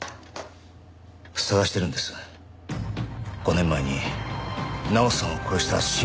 捜しているんです５年前に奈緒さんを殺した真犯人を。